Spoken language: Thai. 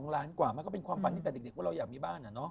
ล้านกว่ามันก็เป็นความฝันตั้งแต่เด็กว่าเราอยากมีบ้าน